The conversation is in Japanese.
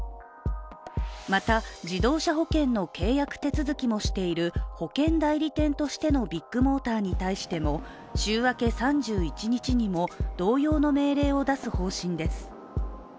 また、自動車保険の契約手続きもしている保険代理店としてのビッグモーターに対しても週明け３１日にも同様の命令を出す方針です。